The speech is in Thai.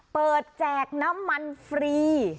เปิดแจกน้ำมันฟรี